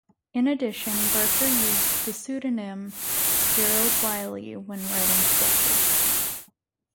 In addition, Barker used the pseudonym Gerald Wiley when writing sketches.